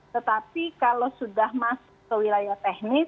tetapi kalau sudah masuk ke wilayah teknis